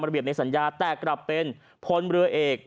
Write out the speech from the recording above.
เบียบในสัญญาแต่กลับเป็นพลเรือเอก